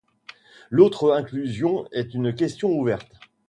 L'autre inclusion est une question ouverte.